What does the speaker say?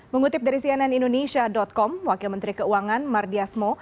mengutip dari cnn indonesia com wakil menteri keuangan mardiasmo